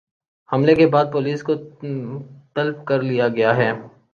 حملے کے بعد پولیس کو طلب کر لیا گیا ہے